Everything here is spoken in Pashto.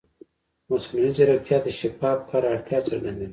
مصنوعي ځیرکتیا د شفاف کار اړتیا څرګندوي.